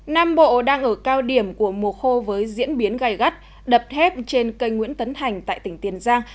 nam bộ đang ở cao điểm của mùa khô với diễn biến gai gắt đập thép trên cây nguyễn tấn thành tại tỉnh tiền giang